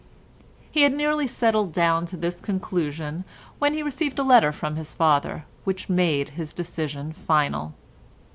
He had nearly settled down to this conclusion when he received a letter from his father which made his decision final.